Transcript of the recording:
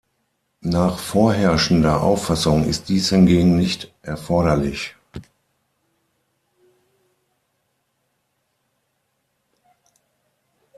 Nach vorherrschender Auffassung ist dies hingegen nicht erforderlich.